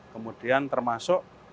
kemudian termasuk hewan yang berbeda